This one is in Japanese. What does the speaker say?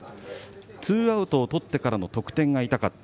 ツーアウトをとってからの得点が痛かった。